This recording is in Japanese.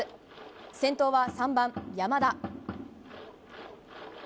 先頭は３番、山田。